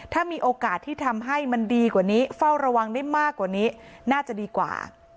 ถ้ามีโอกาสที่ทำให้มันดีกว่านี้เฝ้าระวังได้มากกว่านี้น่าจะดีกว่า